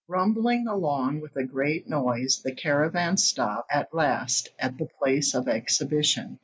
Rumbling along with a great noise, the caravan stopped at last at the place of exhibition.